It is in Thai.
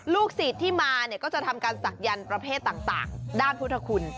ลูกศิษย์ที่มาเนี่ยก็จะทำการศักยันต์ประเภทต่างด้านพุทธคุณ